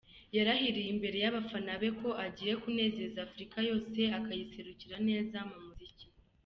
Yarahiriye imbere y’abafana be ko agiye kunezeza Afrika yose akayiserukira neza mu muziki.